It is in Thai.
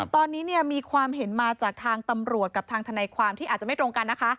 ตอนนี้มีความเห็นมาจากทางตำรวจกับทางทนายความที่อาจจะไม่ตรงกันนะคะ